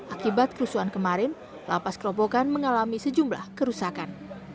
akibat kerusuhan kemarin lapas keropokan mengalami sejumlah kerusakan